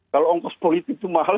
kalau ongkos politik itu mahal